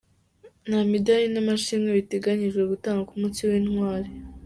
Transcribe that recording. Nta midari n’amashimwe biteganyijwe gutangwa ku munsi w’intwari